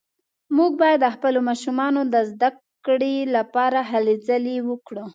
موږ باید د خپلو ماشومانو د زده کړې لپاره هلې ځلې وکړو